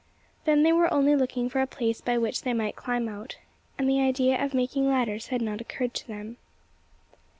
Then they were only looking for a place by which they might climb out; and the idea of making ladders had not occurred to them.